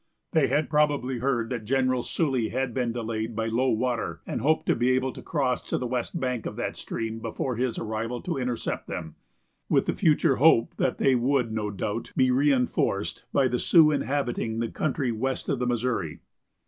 They had probably heard that General Sully had been delayed by low water and hoped to be able to cross to the west bank of that stream before his arrival to intercept them, with the future hope that they would, no doubt, be reenforced by the Sioux inhabiting the country west of the Missouri.